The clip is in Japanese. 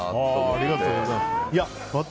ありがとうございます。